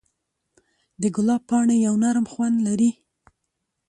د ګلاب پاڼې یو نرم خوند لري.